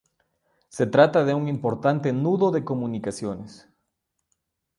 Se trata de un importante nudo de comunicaciones.